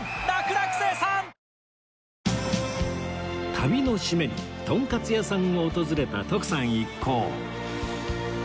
旅の締めにとんかつ屋さんを訪れた徳さん一行